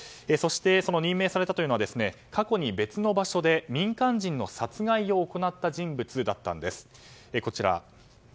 そして任命されたというのは過去に別の場所で民間人の殺人を行った人物だったんです。